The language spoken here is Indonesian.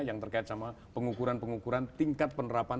yang terkait sama pengukuran pengukuran tingkat penerapan